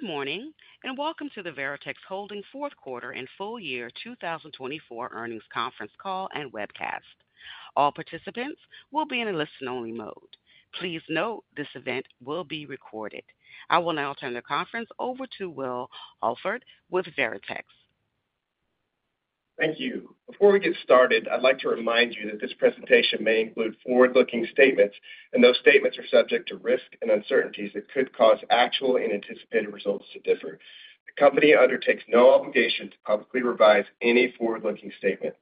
Good morning and welcome to the Veritex Holdings fourth quarter and full year 2024 earnings conference call and webcast. All participants will be in a listen-only mode. Please note this event will be recorded. I will now turn the conference over to Will Alford with Veritex. Thank you. Before we get started, I'd like to remind you that this presentation may include. Forward-looking statements and those statements are subject to risks and uncertainties that could cause actual and anticipated results to differ. The Company undertakes no obligation to publicly revise any forward-looking statement.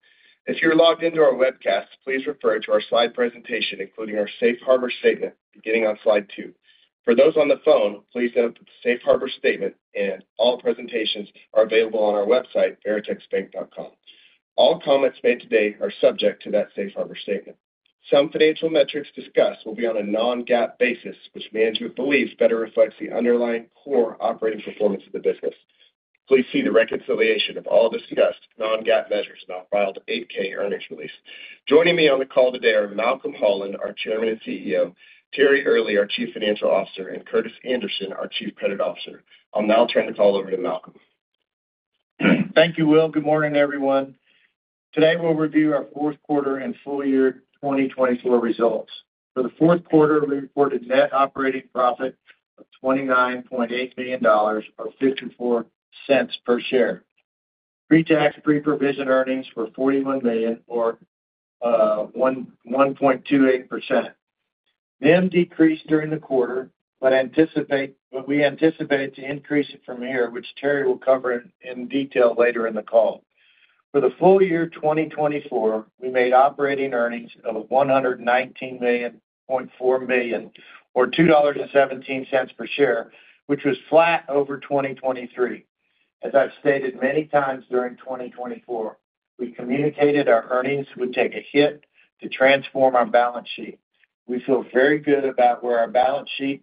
If you're logged into our webcast, please refer to our slide presentation including our Safe Harbor Statement beginning on slide two. For those on the phone, please note that the Safe Harbor Statement and all presentations are available on our website veritexbank.com. All comments made today are subject to. That Safe Harbor Statement. Some financial metrics discussed will be on a non-GAAP basis, which management believes. Better reflects the underlying core operating performance of the business. Please see the reconciliation of all discussed non-GAAP measures in our filed 8-K earnings release. Joining me on the call today are. Malcolm Holland, our Chairman and CEO, Terry. Earley, our Chief Financial Officer, and Curtis. Anderson, our Chief Credit Officer. I'll now turn the call over to Malcolm. Thank you, Will. Good morning everyone. Today we'll review our fourth quarter and full year 2024 results. For the fourth quarter we reported net operating profit of $29.8 million or $0.54 per share pre tax pre provision earnings for $41 million or 1.28%. NIM decreased during the quarter but we anticipate to increase it from here, which Terry will cover in detail later in the call. For the full year 2024, we made operating earnings of $119 million or $2.17 per share, which was flat over 2023. As I've stated many times during 2024, we communicated our earnings would take a hit to transform our balance sheet. We feel very good about where our balance sheet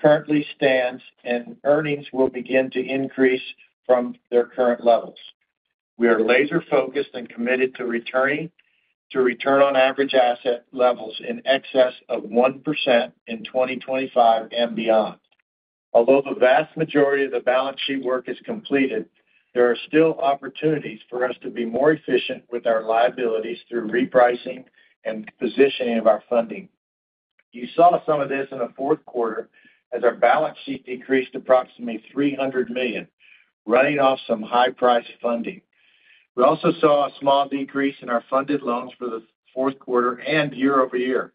currently stands and earnings will begin to increase from their current levels. We are laser focused and committed to returning return on average assets to levels in excess of 1% in 2025 and beyond. Although the vast majority of the balance sheet work is completed, there are still opportunities for us to be more efficient with our liabilities through repricing and positioning of our funding. You saw some of this in the fourth quarter as our balance sheet decreased approximately $300 million running off some high-priced funding. We also saw a small decrease in our funded loans for the fourth quarter. And year-over-year.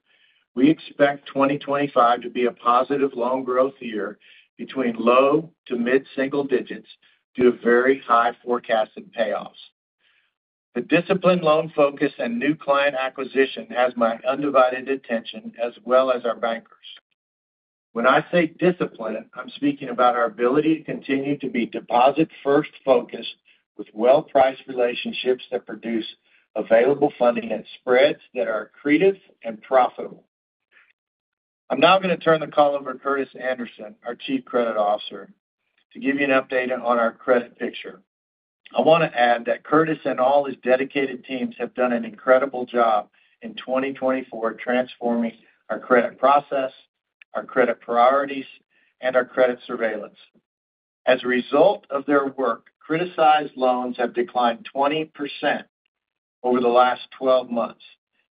We expect 2025 to be a positive loan growth year between low- to mid-single digits due to very high forecasted payoffs. The disciplined loan focus and new client acquisition has my undivided attention as well as our bankers. When I say discipline, I'm speaking about our ability to continue to be deposit first focused with well priced relationships that produce available funding at spreads that are accretive and profitable. I'm now going to turn the call over to Curtis Anderson, our Chief Credit Officer, to give you an update on our credit picture. I want to add that Curtis and all his dedicated teams have done an incredible job in 2024 transforming our credit process, our credit priorities and our credit surveillance. As a result of their work, criticized loans have declined 20% over the last 12 months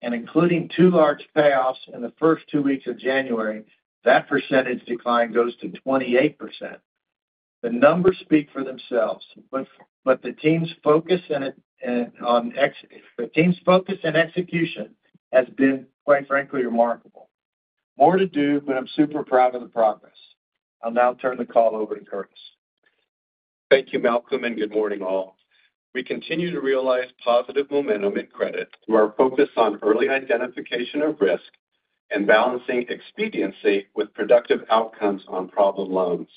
and including two large payoffs in the first two weeks of January, that percentage decline goes to 28%. The numbers speak for themselves, but. The. Team's focus and execution has been quite frankly remarkable. More to do, but I'm super proud of the progress. I'll now turn the call over to Curtis. Thank you Malcolm and good morning all. We continue to realize positive momentum in credit through our focus on early identification of risk and balancing expediency with productive outcomes on problem loans.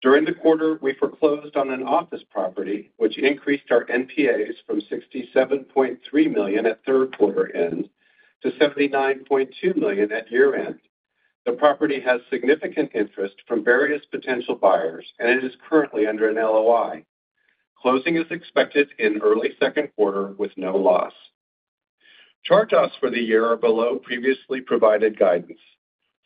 During the quarter we foreclosed on an office property which increased our NPAs from $67.3 million at third-quarter end to $79.2 million at year-end. The property has significant interest from various potential buyers and it is currently under an LOI. Closing is expected in early second quarter with no loss. Charge-offs for the year are below previously provided guidance.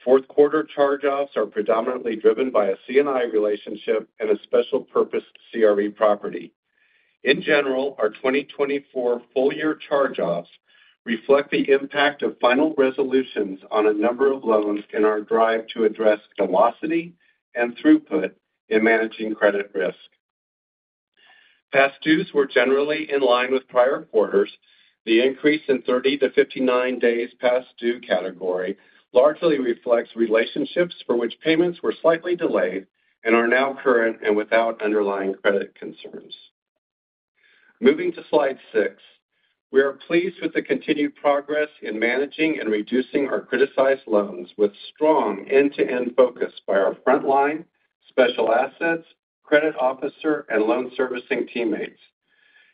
Fourth quarter charge-offs are predominantly driven by a C&I relationship and a special purpose CRE property. In general, our 2024 full year charge-offs for reflect the impact of final resolutions on a number of loans. In our drive to address velocity and throughput in managing credit risk. Past dues were generally in line with prior quarters. The increase in 30 days-59 days past due category largely reflects relationships for which payments were slightly delayed and are now current and without underlying credit concerns. Moving to slide 6, we are pleased with the continued progress in managing and reducing our criticized loans with strong end-to-end focus by our frontline Special Assets Credit Officer and loan servicing teammates.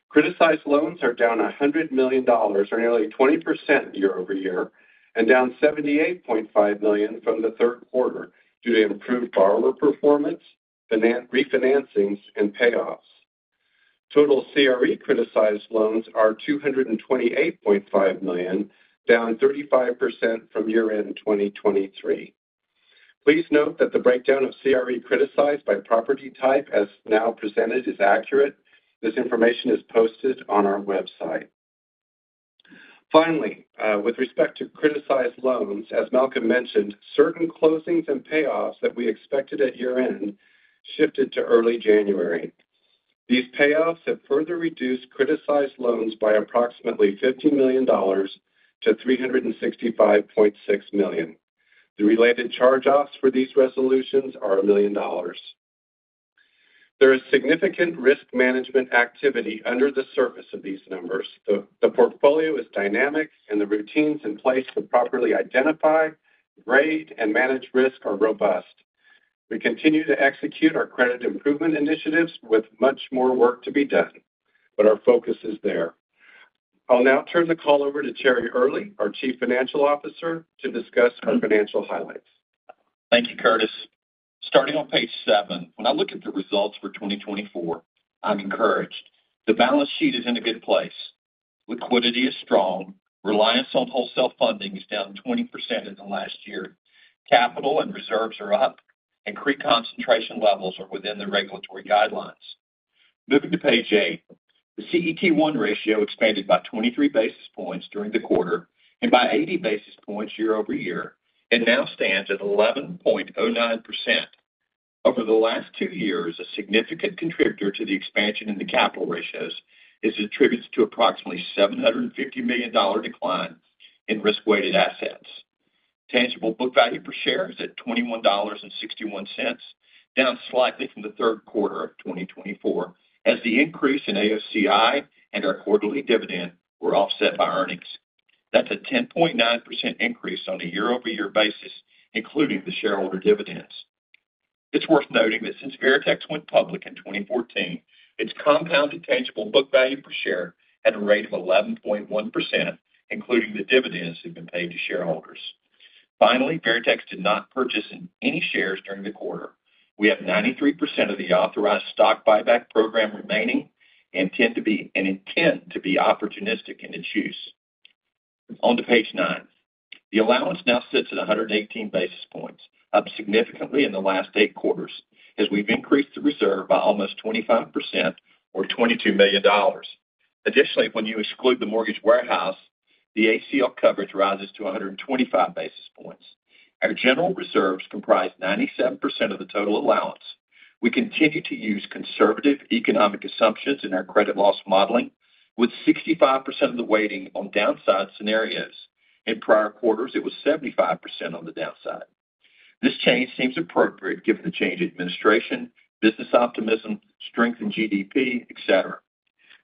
Criticized loans are down $100 million or nearly 20% year-over-year and down $78.5 million from the third quarter due to improved borrower performance, refinancings and payoffs. Total CRE criticized loans are $228.5 million down 35% from year-end 2023. Please note that the breakdown of CRE criticized by property type as now presented is accurate. This information is posted on our website. Finally, with respect to criticized loans, as Malcolm mentioned, certain closings and payoffs that we expected at year-end shifted to early January. These payoffs have further reduced criticized loans by approximately $50 million-$365.6 million. The related charge-offs for these resolutions are $1 million. There is significant risk management activity under the surface of these numbers. The portfolio is dynamic and the routines in place to properly identify, grade and manage risk are robust. We continue to execute our credit improvement initiatives with much more work to be done, but our focus is there. I'll now turn the call over to Terry Earley, our Chief Financial Officer, to. Discuss our financial highlights. Thank you, Curtis. Starting on page seven, when I look at the results for 2024, I'm encouraged. The balance sheet is in a good place. Liquidity is strong. Reliance on wholesale funding is down 20% in the last year. Capital and reserves are up and CRE concentration levels are within the regulatory guidelines. Moving to page eight, the CET1 ratio expanded by 23 basis points during the quarter and by 80 basis points year-over-year and now stands at 11.09% over the last two years. A significant contributor to the expansion in the capital ratios is attributed to approximately $750 million decline in risk-weighted assets. Tangible book value per share is at $21.61, down slightly from the third quarter of 2024 as the increase in AOCI and our quarterly dividend were offset by earnings. That's a 10.9% increase on a year-over-year basis, including the shareholder dividends. It's worth noting that since Veritex went public in 2014, its compounded tangible book value per share at a rate of 11.1% including the dividends have been paid to shareholders. Finally, Veritex did not purchase any shares during the quarter. We have 93% of the authorized stock buyback program remaining and intend to be opportunistic in its use. To page nine. The allowance now sits at 118 basis points, up significantly in the last eight quarters as we've increased the reserve by almost 25% or $22 million. Additionally, when you exclude the mortgage warehouse, the ACL coverage rises to 125 basis points. Our general reserves comprise 97% of the total allowance. We continue to use conservative economic assumptions in our credit loss modeling with 65% of the weighting on downside scenarios. In prior quarters it was 75%. On the downside, this change seems appropriate given the change in administration, business optimism, strength in GDP, etc.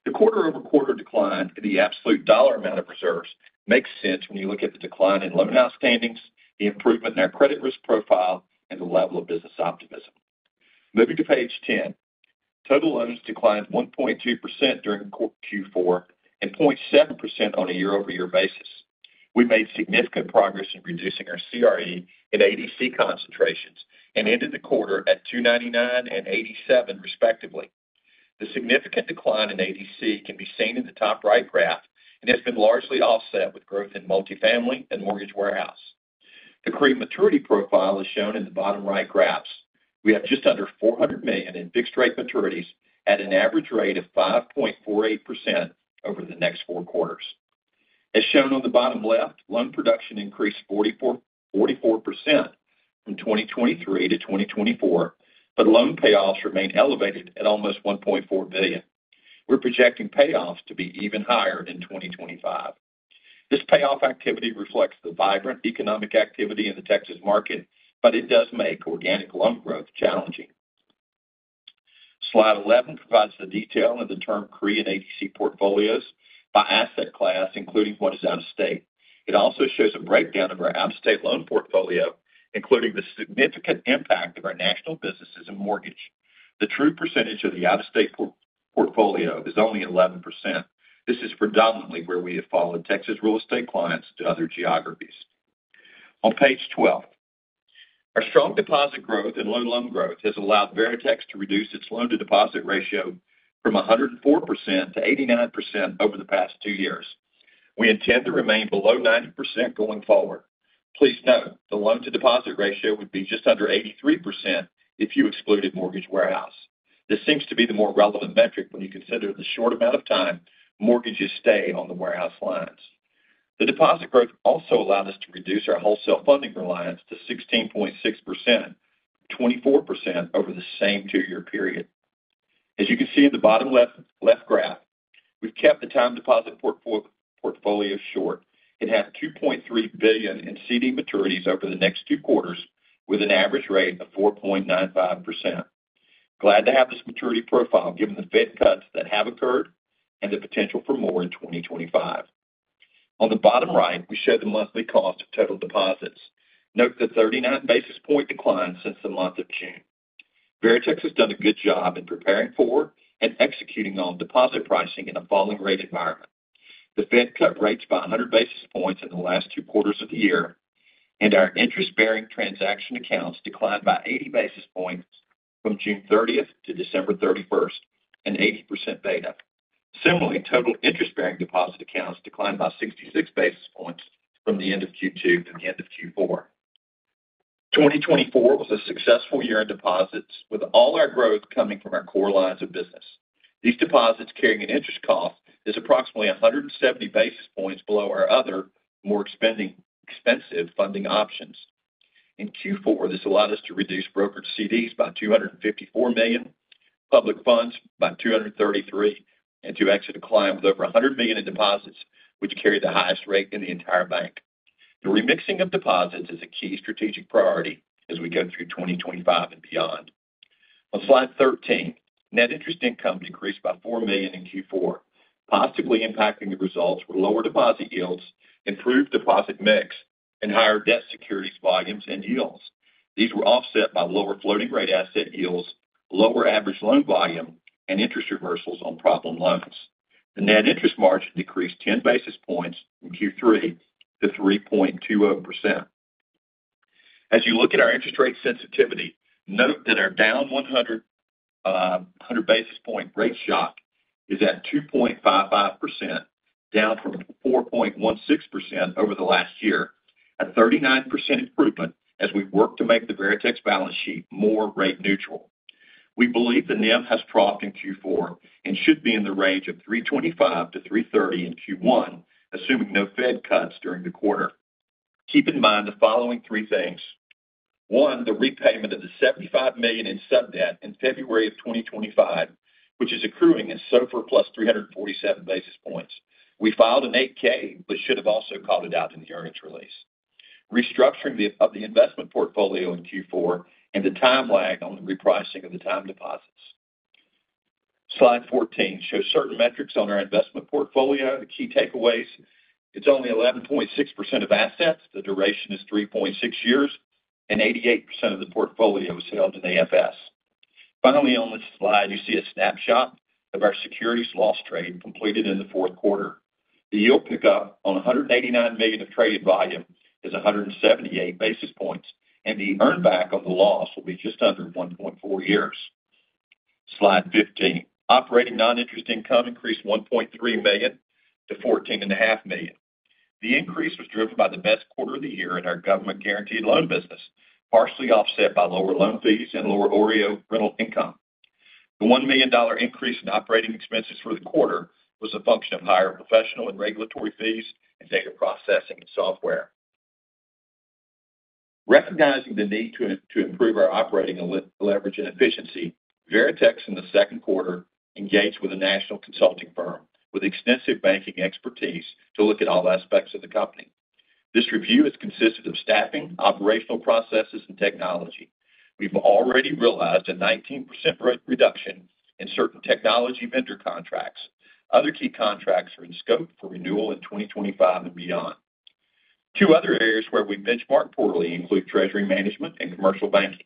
The quarter-over-quarter decline in the absolute dollar amount of reserves makes sense when you look at the decline in loan outstandings, the improvement in our credit risk profile and the level of business optimism. Moving to page 10. Total loans declined 1.2% during Q4 and 0.7% on a year-over-year basis. We made significant progress in reducing our CRE and ADC concentrations and ended the quarter at 299 and 87 respectively. The significant decline in ADC can be seen in the top right graph and has been largely offset with growth in multifamily and mortgage warehouse. The CRE maturity profile is shown in the bottom right graphs. We have just under $400 million in fixed rate maturities at an average rate of 5.48% over the next four quarters. As shown on the bottom left, loan production increased 44% from 2023 to 2024, but loan payoffs remain elevated at almost $1.4 billion. We're projecting payoffs to be even higher in 2025. This payoff activity reflects the vibrant economic activity in the Texas market, but it does make organic loan growth challenging. Slide 11 provides the detail of the term CRE and ADC portfolios by asset class including what is out of state. It also shows a breakdown of our out-of-state loan portfolio including the significant impact of our national businesses and mortgage warehouse. The true percentage of the out-of-state portfolio is only 11%. This is predominantly where we have followed Texas real estate clients to other geographies on page 12. Our strong deposit growth and loan growth has allowed Veritex to reduce its loan to deposit ratio from 104% to 89% over the past two years. We intend to remain below 90% going forward. Please note the loan to deposit ratio would be just under 83% if you excluded mortgage warehouse. This seems to be the more relevant metric when you consider the short amount of time mortgages stay on the warehouse lines. The deposit growth also allowed us to reduce our wholesale funding reliance from 24% to 16.6% over the same two year period. As you can see in the bottom left graph, we've kept the time deposit portfolio short. It has $2.3 billion in CD maturities over the next two quarters with an average rate of 4.95%. Glad to have this maturity profile given the Fed cuts that have occurred and the potential for more in 2025. On the bottom right we show the monthly cost of total deposits. Note the 39 basis point decline since the month of June. Veritex has done a good job in preparing for and executing on deposit pricing in a falling rate environment. The Fed cut rates by 100 basis points in the last two quarters of the year and our interest bearing transaction accounts declined by 80 basis points from June 30th to December 31st and 80% beta. Similarly, total interest bearing deposit accounts declined by 66 basis points from the end of Q2 to the end of Q4. 2024 was a successful year in deposits with all our growth coming from our core lines of business. These deposits carrying an interest cost is approximately 170 basis points below our other more expensive funding options in Q4. This allowed us to reduce brokerage CDs by $254 million, public funds by $233 million and to exit a client with over $100 million in deposits which carry the highest rate in the entire bank. The remixing of deposits is a key strategic priority as we go through 2025 and beyond. On slide 13, net interest income decreased by $4 million in Q4. Positively impacting the results were lower deposit yields, improved deposit mix and higher debt securities volumes and yields. These were offset by lower floating rate asset yields, lower average loan volume and interest reversals on problem loans. The net interest margin decreased 10 basis points in Q3 to 3.20%. As you look at our interest rate sensitivity, note that our down 100 basis point rate shock is at 2.55% down from 4.16% over the last year, a 39% improvement. As we work to make the Veritex balance sheet more rate neutral. We believe the NIM has profit in Q4 and should be in the range of 325-330 in Q1, assuming no Fed cuts during the quarter. Keep in mind the following three things. 1. The repayment of the $75 million in sub debt in February of 2025, which is accruing as SOFR + 347 basis points. We filed an 8-K but should have also called it out in the earnings release. Restructuring of the investment portfolio in Q4 and the time lag on the repricing of the time deposits. Slide 14 shows certain metrics on our investment portfolio. The key takeaways it's only 11.6% of assets, the duration is 3.6 years and 88% of the portfolio is held in AFS. Finally, on this slide you see a snapshot of our securities loss trade completed in the fourth quarter. The yield pickup on $189 million of traded volume is 178 basis points and the earn back on the loss will be just under 1.4 years. Slide 15. Operating non-interest income increased $1.3 million-$14.5 million. The increase was driven by the best quarter of the year in our government guaranteed loan business, partially offset by lower loan fees and lower OREO rental income. The $1 million increase in operating expenses for the quarter was a function of higher professional and regulatory fees and data processing and software. Recognizing the need to improve our operating leverage and efficiency, Veritex in the second quarter engaged with a national consulting firm with extensive banking expertise to look at all aspects of the company. This review has consisted of staffing, operational processes and technology. We've already realized a 19% reduction in certain technology vendor contracts. Other key contracts are in scope for renewal in 2025 and beyond. Two other areas where we benchmark poorly include Treasury Management and commercial banking.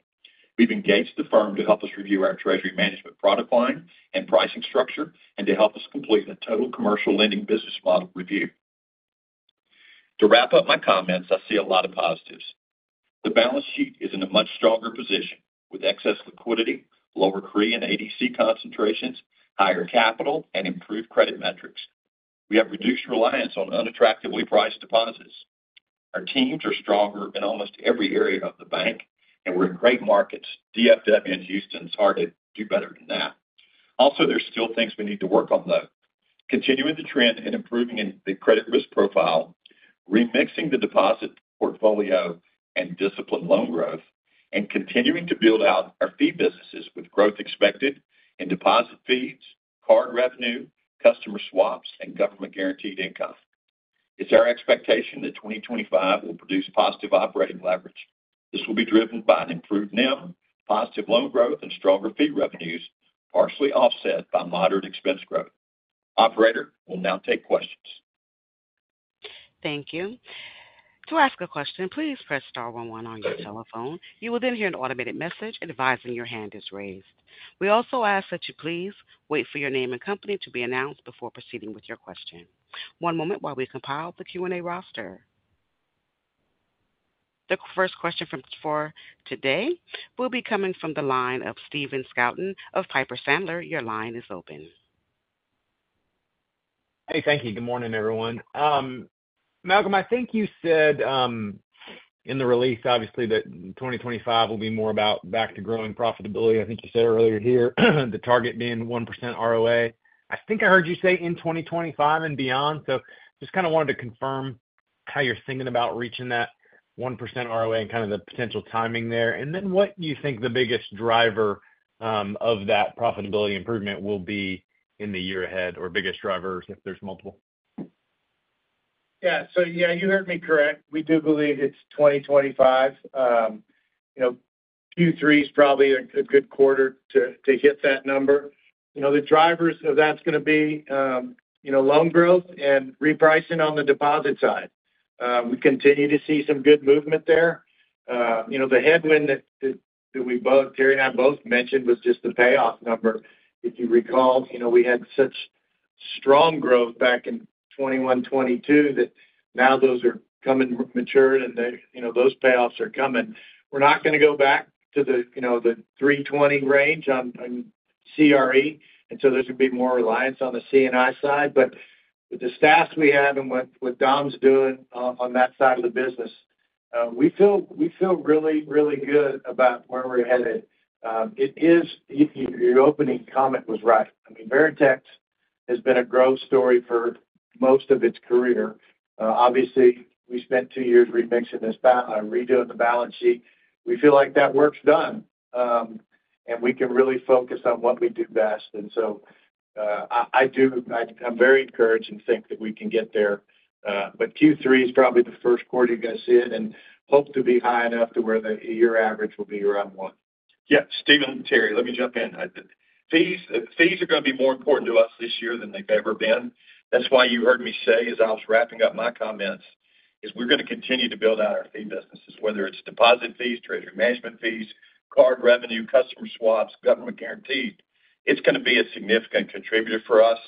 We've engaged the firm to help us review our treasury management product line and pricing structure and to help us complete a total commercial lending business model review. To wrap up my comments, I see a lot of positives. The balance sheet is in a much stronger position with excess liquidity, lower CRE and ADC concentrations, higher capital and improved credit metrics. We have reduced reliance on unattractively priced deposits. Our teams are stronger in almost every area of the bank and we're in great markets. DFW in Houston is hard to do better than that. Also, there's still things we need to work on though. Continuing the trend and improving the credit risk profile, remixing the deposit portfolio and disciplined loan growth and continuing to build out our fee businesses. With growth expected in deposit fees, card revenue, customer swaps and government guaranteed income, it's our expectation that 2025 will produce positive operating leverage. This will be driven by an improved NIM, positive loan growth and stronger fee revenues partially offset by moderate expense growth. Operator will now take questions. Thank you. To ask a question, please press star one one on your telephone. You will then hear an automated message advising your hand is raised. We also ask that you please wait for your name and company to be announced before proceeding with your question. One moment while we compile the Q&A roster. The first question for today will be coming from the line of Stephen Scouten of Piper Sandler. Your line is open. Hey. Thank you. Good morning, everyone. Malcolm, I think you said in the release obviously that 2025 will be more about back to growing profitability. I think you said earlier here the. Target being 1% ROA, I think I. Heard you say, in 2025 and beyond. So just kind of wanted to confirm how you're thinking about reaching that 1% ROA and kind of the potential timing there and then what you think the biggest driver of that profitability improvement will be in the year ahead or biggest. Drivers, if there's multiple. Yeah. So, yeah, you heard me correct. We do believe it's 2025. You know, Q3 is probably a good quarter to hit that number. You know, the drivers of that's going to be, you know, loan growth and repricing on the deposit side. We continue to see some good movement there. You know, the headwind that we both, Terry and I both mentioned was just the payoff number, if you recall. You know, we had such strong growth back in 2021, 2022, that now those are coming, mature and, you know, those payoffs are coming. We're not going to go back to the, you know, the 320 range on CRE, and so there's going to be more reliance on the C&I side. But with the staffs we have and what Dom's doing on that side of the business, we feel really, really good about where we're headed. It is. Your opening comment was right. I mean, Veritex has been a growth story for most of its career. Obviously, we spent two years remixing this, redoing the balance sheet. We feel like that work's done and we can really focus on what we do best. And so I do, I'm very encouraged and think that we can get there. But Q3 is probably the first quarter. You're going to see it and hope to be high enough to where the year average will be around one. Yeah. Stephen, Terry, let me jump in. Fees are going to be more important to us this year than they've ever been. That's why you heard me say, as I was wrapping up my comments, is we're going to continue to build out our fee businesses, whether it's deposit fees, treasury management fees, card revenue, customer swaps, government guaranteed. It's going to be a significant contributor for us.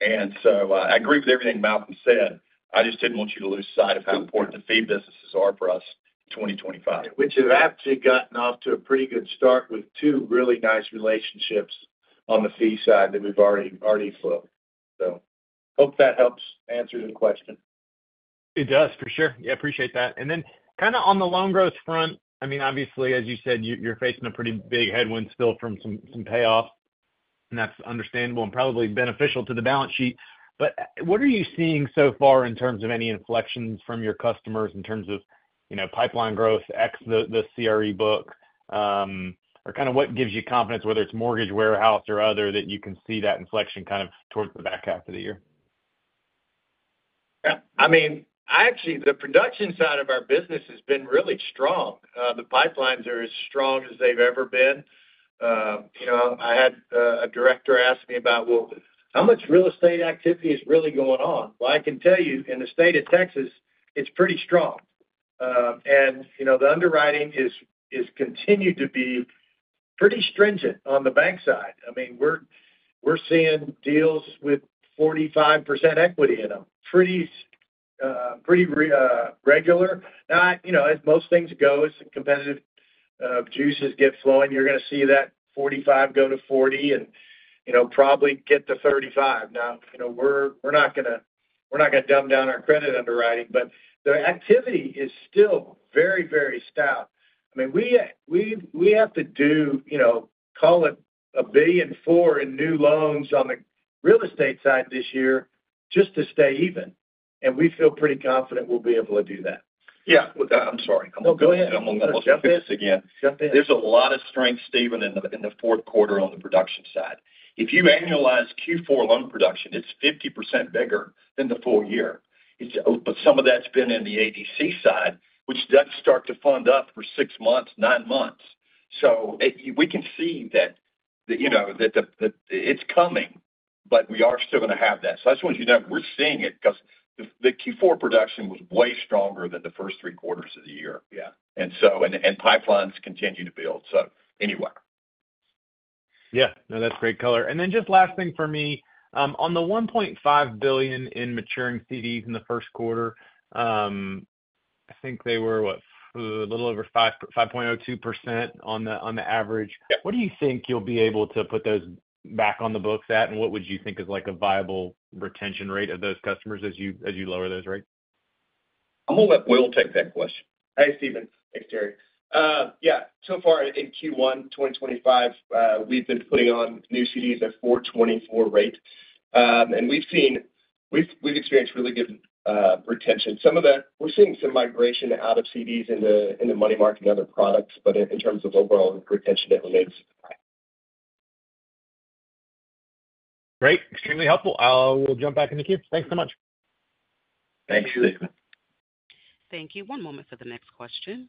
And so I agree with everything Malcolm said. I just didn't want you to lose sight of how important the fee businesses are for us in 2025, which has. Actually gotten off to a pretty good start with two really nice relationships on the fee side that we've already flowed. So hope that helps answer the question. It does for sure. Yeah. Appreciate that. And then kind of on the loan growth front. I mean, obviously, as you said, you're facing a pretty big headwind still from some payoffs. That's understandable and probably beneficial to the balance sheet. But what are you seeing so far? In terms of any inflections from your customers in terms of, you know, pipeline growth ex, the CRE book or kind of what gives you confidence, whether it's mortgage, warehouse or other, that you can see that inflection kind of towards the? Back half of the year. I mean, actually, the production side of our business has been really strong. The pipelines are as strong as they've ever been. You know, I had a director ask me about, well, how much real estate activity is really going on. Well, I can tell you in the state of Texas, it's pretty strong, and you know, the underwriting is continued to be pretty stringent on the bank side. I mean, we're seeing deals with 45% equity in them pretty regular. Not, you know, as most things go as a competitive juices get flowing, you're going to see that 45% go to 40% and you know, probably get to 35%. Now, you know, we're not gonna dumb down our credit underwriting. But the activity is still very, very stout. I mean, we have to do, you know, call it $1.4 billion in new loans on the real estate side this year just to stay even. And we feel pretty confident we'll be. Able to do that. Yeah. I'm sorry. Go ahead. There's a lot of strength, Stephen, in the fourth quarter on the production side. If you annualize Q4 loan production, it's 50% bigger than the full year, but some of that's been in the ADC side, which does start to fund up for six months, nine months, so we can see that, you know, that it's coming, but we are still going to have that, so I just want you to know we're seeing it because the Q4 production was way stronger than the first three quarters of the year, yeah, and pipelines continue to build, so anyway, yeah, no, that's great. Color. And then just last thing for me, on the $1.5 billion in maturing CDs. In the first quarter. I think they. We're a little over 5%, 5.02% on the, on the average. What do you think you'll be able to put those back on the books at? And what would you think is like? A viable retention rate of those customers. As you lower those rates? I'm gonna let Will take that question. Hi, Stephen. Thanks, Terry. Yeah, so far in Q1 2025, we've been putting on new CDs at 4.24% rate and we've seen, we've experienced really good retention. Some of that. We're seeing some migration out of CDs into money market and other products. But in terms of overall retention, it remains high. Great. Extremely helpful. I will jump back in the queue. Thanks so much. Thanks, Stephen. Thank you. One moment for the next question,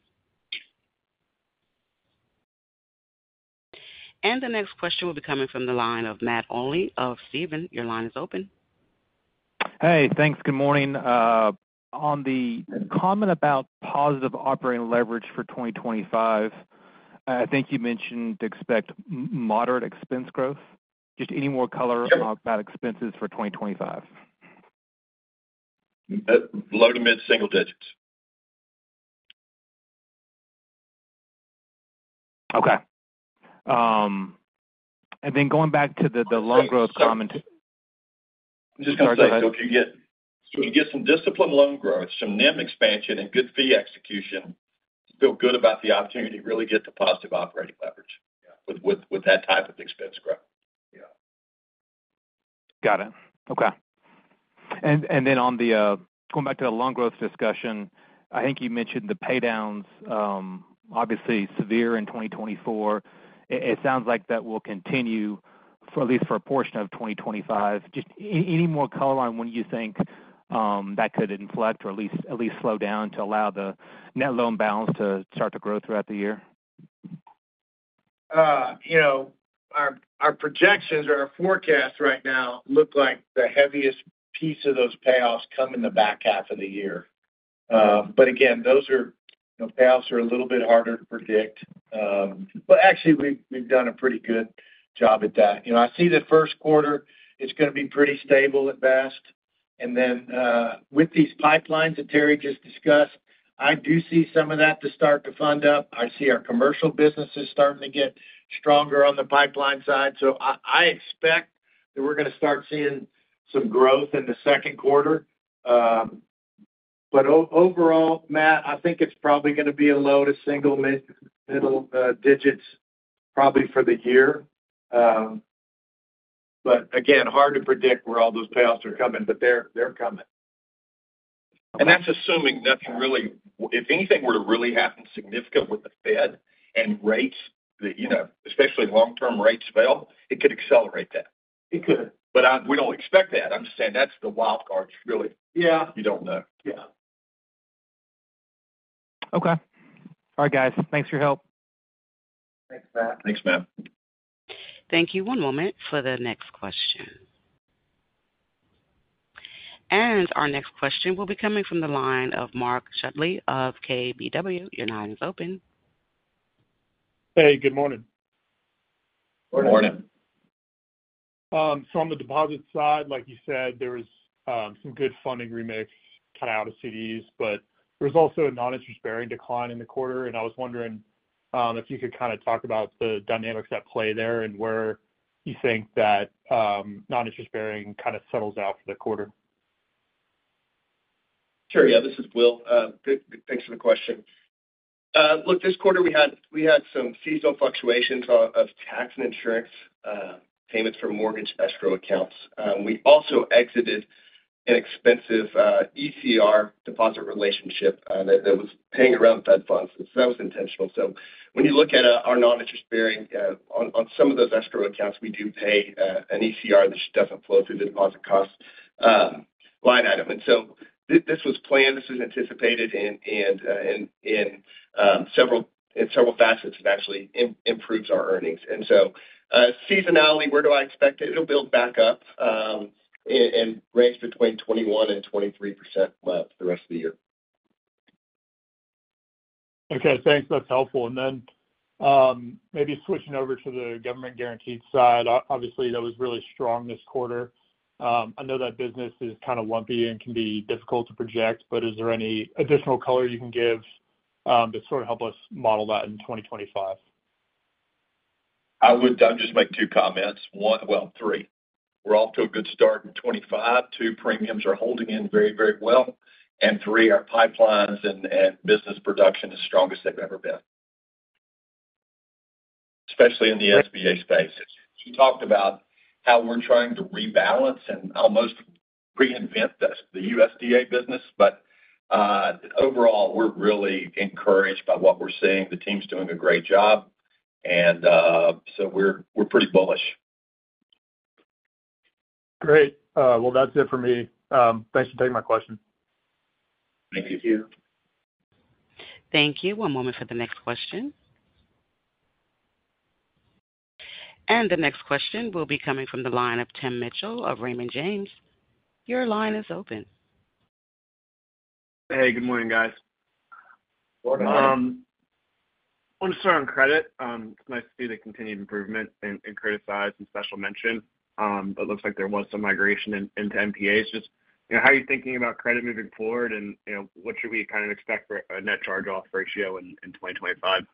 and the next question will be coming from the line of Matt Olney of Stephens. Your line is open. Hey, thanks. Good morning. On the comment about positive operating leverage for 2025, I think you mentioned expect moderate expense growth. Just any more color about expenses for 2025? Low to mid single digits. Okay. And then going back to the loan. Growth comment, I'm just going to get some disciplined loan growth, some NIM expansion, and good fee execution. Feel good about the opportunity to really get to positive operating leverage with that type of expense growth. Got it. Okay. And then on the going back to the loan growth discussion, I think you mentioned the pay downs, obviously severe in 2024. It sounds like that will continue for at least a portion of 2025. Just any more color on when you think that could inflect or at least slow down to allow the net loan balance to start to grow throughout the year. You know, our projections or our forecast right now look like the heaviest piece of those payoffs come in the back half of the year. But again those payoffs are a little bit harder to predict. But actually we've done a pretty good job at that. You know, I see the first quarter; it's going to be pretty stable at best. And then with these pipelines that Terry just discussed, I do see some of that to start to fund up. I see our commercial businesses starting to get stronger on the pipeline side. So I expect that we're going to start seeing some growth in the second quarter. But overall, Matt, I think it's probably going to be a low to single middle digits probably for the year. But again, hard to predict where all those payoffs are coming. But they're coming and that's assuming nothing really, if anything were to really happen significant with the Fed and rates that, you know, especially long term rates fall, it could accelerate that. It could, but we don't expect that. I'm saying that's the wild cards. Really. Yeah. You don't know. Yeah. Okay. All right guys, thanks for your help. Thanks Matt. Thanks Matt. Thank you. One moment for the next question, and our next question will be coming from the line of [Mark Shudley] of KBW. Your line is open. Hey, good morning. Morning. On the deposit side, like you said, there was some good funding remix cut out of CDs, but there was also a non-interest-bearing decline in the quarter. I was wondering if you could kind of talk about the dynamics at play there and where you think that non-interest-bearing kind of settles out for the quarter. Sure. Yeah. This is Will. Thanks for the question. Look, this quarter we had. Some seasonal fluctuations of tax and insurance payments for mortgage escrow accounts. We also exited inexpensive ECR deposit relationship that was paying around Fed funds. That was intentional, so when you look at our non interest bearing on some of those escrow accounts, we do pay an ECR that doesn't flow through the deposit cost line item. And so this was planned, this was anticipated, and in several facets it actually improves our earnings, and so seasonality, where do I expect it? It'll build back up and range between 21% and 23% for the rest of the year. Okay, thanks, that's helpful. And then maybe switching over to the government guaranteed side. Obviously that was really strong this quarter. I know that business is kind of lumpy and can be difficult to project, but is there any additional color you can give to sort of help us? Model that in 2025? I would just make two comments. One, well, three, we're off to a good start in 2025. Two, premiums are holding in very, very well and three, our pipelines and business production is strongest they've ever been. Especially. In the SBA space. He talked about how we're trying to rebalance and almost reinvent the USDA business. But overall we're really encouraged by what we're seeing. The team's doing a great job and so we're pretty bullish. Great. That's it for me. Thanks for taking my question. Thank you. Thank you. One moment for the next question, and the next question will be coming from the line of Tim Mitchell of Raymond James. Your line is open. Hey, good morning guys. Want to start on credit? It's nice to see the continued improvement in criticized and special mention, but it looks like there was some migration into NPAs. Just how are you thinking about credit moving forward and what should we kind of expect for a net charge-off ratio in 2025?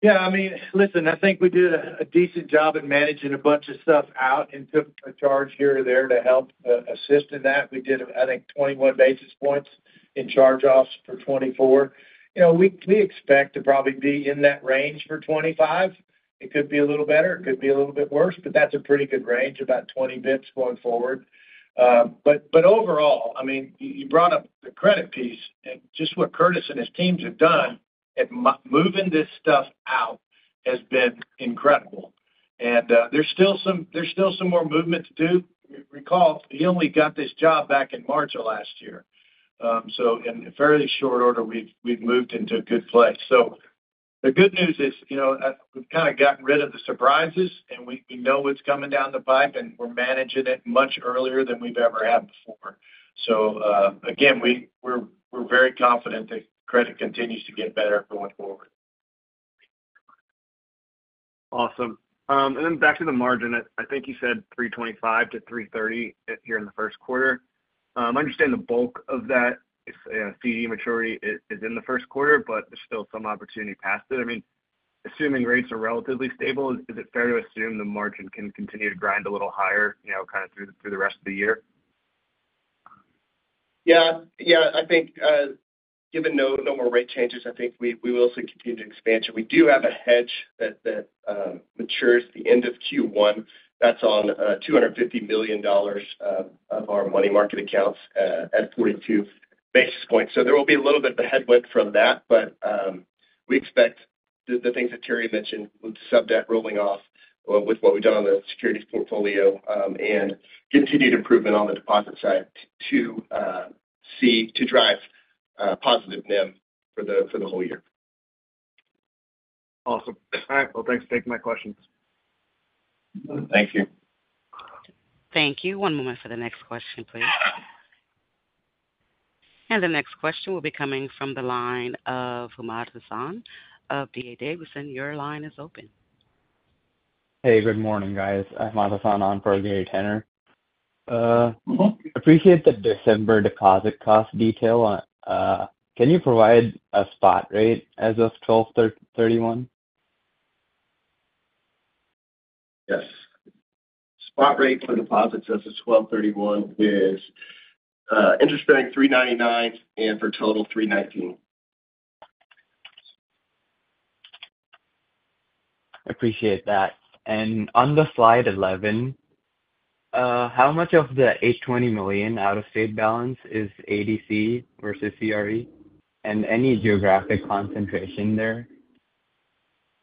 Yeah, I mean, listen, I think we did a decent job in managing a bunch of stuff out and took a charge here or there to help assist in that. We did, I think 21 basis points in charge-offs for 2024. You know, we expect to probably be in that range for 2025. It could be a little better, it could be a little bit worse, but that's a pretty good range, about 20 basis points going forward. But overall, I mean, you brought up the credit piece and just what Curtis and his teams have done at moving this stuff out has been incredible. And there's still some more movement to do. Recall he only got this job back in March of last year. So in fairly short order we've moved. Into a good place. So the good news is, you know, we've kind of gotten rid of the surprises and we know what's coming down the pipe and we're managing it much earlier than we've ever had before. So again, we're very confident that credit continues to get better going forward. Awesome. And then back to the margin. I think you said 325-330 here in the first quarter. I understand the bulk of that CD maturity is in the first quarter, but. There's still some opportunity past it. I mean, assuming rates are relatively stable, is it fair to assume the margin can continue to grind a little higher kind of through the rest of the year? Yeah, I think given no more rate changes, I think we will see continued expansion. We do have a hedge that matures at the end of Q1 that's on $250 million of our money market accounts. At 42 basis points. So there will be a little bit. Of a headwind from that. But we expect the things that Terry mentioned, sub debt rolling off with what we've done on the securities portfolio and continued improvement on the deposit side to see to drive positive NIM for the. For the whole year. Awesome. All right, well, thanks for taking my questions. Thank you. Thank you. One moment for the next question, please. The next question will be coming from the line of Ahmad Hasan of D.A. Davidson. Your line is open. Hey, good morning, guys. Ahmad Hasan on for Gary Tenner. Appreciate the December deposit cost detail. Can you provide a spot rate as of 12/31? Yes. Spot rate for deposits as of 12/31 is interest-bearing 399 and for total 319. Appreciate that. On the slide, 11. How much. Of the $20 million out-of-state balance, is ADC versus CRE and any geographic concentration there?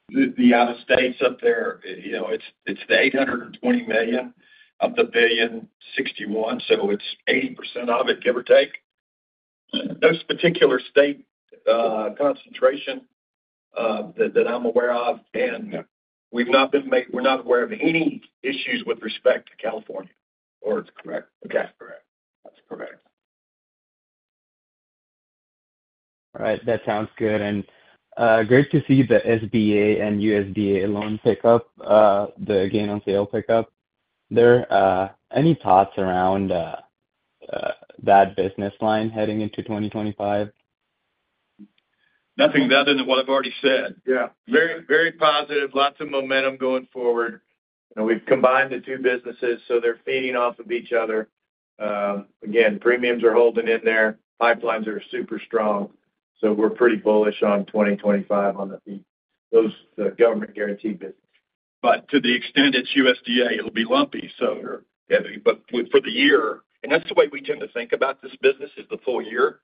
The out-of-state's up there. You know, it's the $820 million of the $1.061 billion. So it's 80% of it, give or take. This particular state concentration that I'm aware of, and we've not been made. We're not aware of any issues with. respect to California, or. It's correct. Okay. Correct. That's correct. All right. That sounds good. And great to see the SBA and USDA loan pick up the gain on sale pickup there. Any thoughts around that business line heading into 2025? Nothing better than what I've already said. Yeah, very, very positive. Lots of momentum going forward. We've combined the two businesses, so they're feeding off of each other again. Premiums are holding in there. Pipelines are super strong. So we're pretty bullish on 2025 on. Those government guaranteed business. But to the extent it's USDA, it'll be lumpy. So. But for the year, and that's the way we tend to think about this business, is the full year.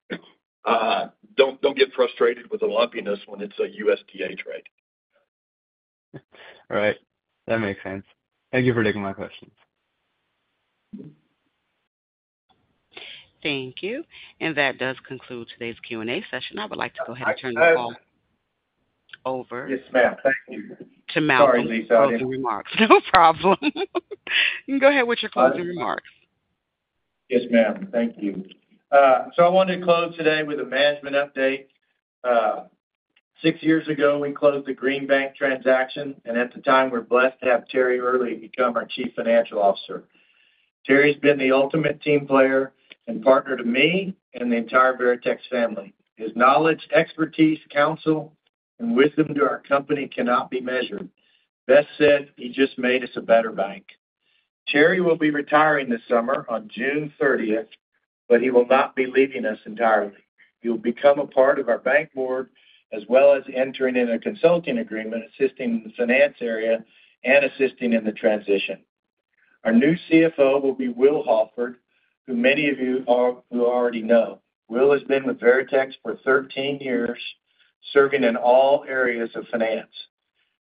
Don't get frustrated with the lumpiness when it's a USDA trade. All right, that makes sense. Thank you for taking my questions. Thank you. That does conclude today's Q&A session. I would like to go ahead and. Turn the call over. Yes, ma'am. Am. Thank you. To Malcolm. No problem. You can go ahead with your closing remarks. Yes, ma'am. Am. Thank you. So I wanted to close today with a management update. Six years ago, we closed the Green Bank transaction. And at the time, we're blessed to have Terry Earley become our Chief Financial Officer. Terry's been the ultimate team player and partner to me and the entire Veritex family. His knowledge, expertise, counsel, and wisdom to our company cannot be measured. Best said, he just made us a better bank. Terry will be retiring this summer on June 30, but he will not be leaving us entirely. He will become a part of our. Bank board as well as entering in a consulting agreement, assisting in the finance area and assisting in the transition. Our new CFO will be Will Alford, who many of you already know. Will has been with Veritex for 13 years, serving in all areas of finance.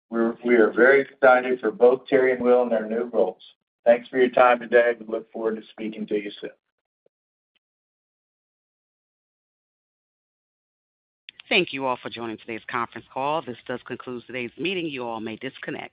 We are very excited for both Terry and Will in their new roles. Thanks for your time today. We look forward to speaking to you soon. Thank you all for joining today's conference call. This does conclude today's meeting. You all may disconnect.